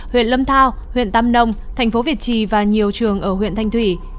huyện lâm thao huyện tam nông thành phố việt trì và nhiều trường ở huyện thanh thủy